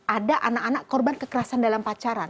ada anak anak korban kekerasan dalam pacaran